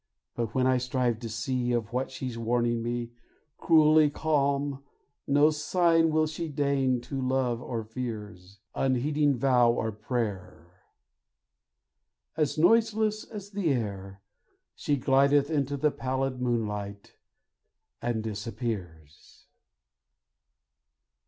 But when I strive to see, Of what she's warning me, Cruelly calm, no sign will she deign to love or fears; Unheeding vow or prayer, As noiseless as the air, She glideth into the pallid moonlight and disappears.